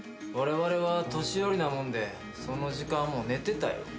われわれは年寄りなもんでその時間はもう寝てたよ。